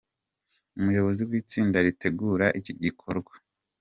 Umuyobozi w’itsinda ritegura iki gikorwa.